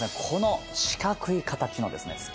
この四角い形のですね